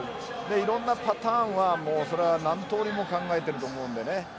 いろんなパターンはそれは何通りも考えていると思うんでね。